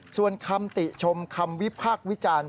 ส่วนคำติชมคำวิพากษ์วิจารณ์